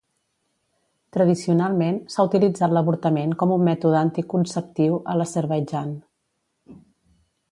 Tradicionalment, s'ha utilitzat l'avortament com un mètode anticonceptiu a l'Azerbaidjan.